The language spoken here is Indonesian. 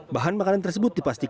bahan makanan tersebut dipastikan